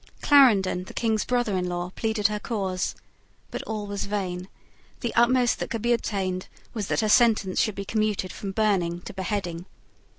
Clarendon, the King's brother in law, pleaded her cause. But all was vain. The utmost that could be obtained was that her sentence should be commuted from burning to beheading.